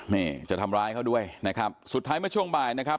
นี่จะทำร้ายเขาด้วยนะครับสุดท้ายเมื่อช่วงบ่ายนะครับ